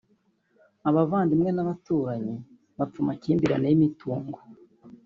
abavandimwe n’abaturanyi bapfa amakimbirane y’imitungo